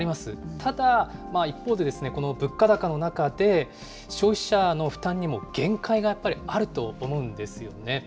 ただ、一方で、この物価高の中で、消費者の負担にも限界がやっぱりあると思うんですよね。